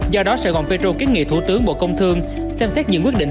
do đó sài gòn petro kiến nghị thủ tướng bộ công thương xem xét những quyết định